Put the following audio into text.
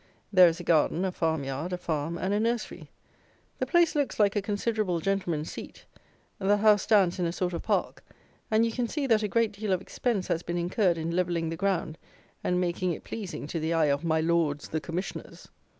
There is a garden, a farm yard, a farm, and a nursery. The place looks like a considerable gentleman's seat; the house stands in a sort of park, and you can see that a great deal of expense has been incurred in levelling the ground, and making it pleasing to the eye of my lords "the Commissioners."